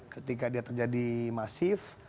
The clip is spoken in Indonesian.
ketika dia terjadi masif